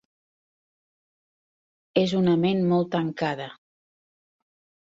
És una ment molt tancada.